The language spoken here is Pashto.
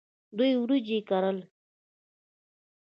دوی وریجې کرل.